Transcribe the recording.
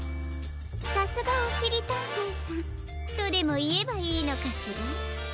さすがおしりたんていさんとでもいえばいいのかしら？